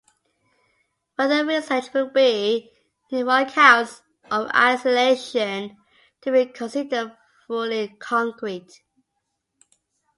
Further research will be needed for accounts of isolation to be considered fully concrete.